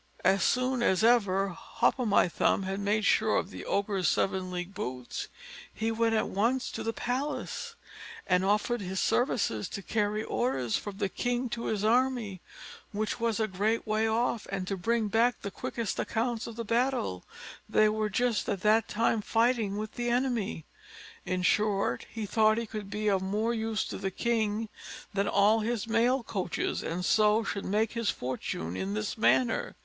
As soon as ever Hop o' my thumb had made sure of the Ogre's seven league boots, he went at once to the palace, and offered his services to carry orders from the king to his army, which was a great way off, and to bring back the quickest accounts of the battle they were just at that time fighting with the enemy. In short, he thought he could be of more use to the king than all his mail coaches, and so should make his fortune in this manner.